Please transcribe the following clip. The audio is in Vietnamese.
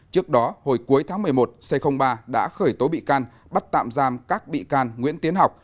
trước đó hồi cuối tháng một mươi một c ba đã khởi tố bị can bắt tạm giam các bị can nguyễn tiến học